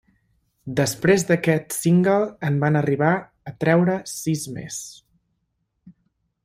Després d'aquest single en van arribar a treure sis més.